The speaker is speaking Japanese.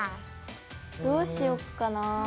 どうしよっかな。